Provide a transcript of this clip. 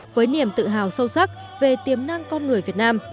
với niềm tự hào sâu sắc về tiềm năng con người việt nam